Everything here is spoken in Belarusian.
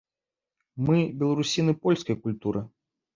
Мы беларусіны польскай культуры.